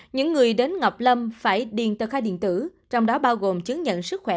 những người đến ngọc lâm phải điền tờ khai điện tử trong đó bao gồm chứng nhận sức khỏe